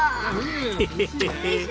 ヘヘヘヘ。